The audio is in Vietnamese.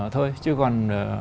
thôi chứ còn